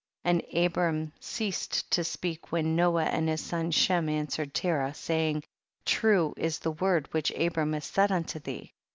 69. And Abram ceased to speak, when Noah and his son Shem an swered Terah, saying, true is the word which Abram hath said unto thee.